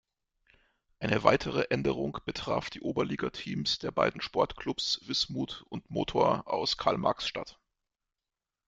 Eine weitere Änderung betraf die Oberliga-Teams der beiden Sportclubs Wismut und Motor aus Karl-Marx-Stadt.